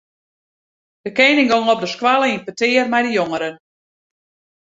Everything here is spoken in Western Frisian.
De kening gong op de skoalle yn petear mei de jongeren.